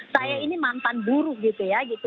saya ini mantan buruh gitu ya gitu